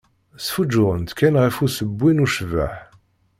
Sfuǧǧuɣent kan ɣef usewwi d ucebbeḥ.